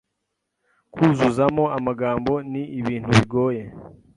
Kuzuzamo amagambo ni ibintu bigoye